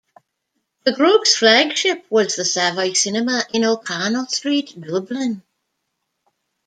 The group's flagship was the Savoy Cinema in O'Connell Street, Dublin.